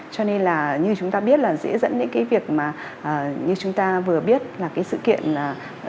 cho nên là như chúng ta biết là dễ dẫn đến cái việc mà như chúng ta vừa biết là cái sự kiện